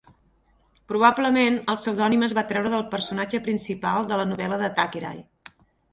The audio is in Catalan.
Probablement, el pseudònim es va treure del personatge principal de la novel·la de Thackeray.